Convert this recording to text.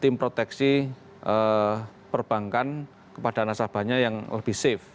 tim proteksi perbankan kepada nasabahnya yang lebih safe